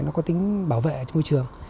nó có tính bảo vệ môi trường